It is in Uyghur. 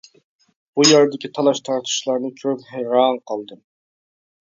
بۇ يەردىكى تالاش-تارتىشلارنى كۆرۈپ ھەيران قالدىم.